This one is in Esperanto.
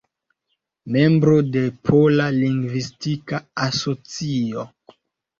Membro de Pola Lingvistika Asocio.